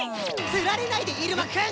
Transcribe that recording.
釣られないでイルマくん！